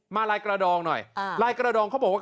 ลายกระดองหน่อยลายกระดองเขาบอกว่า